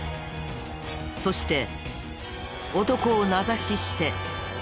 そして男を名指しして盗るな！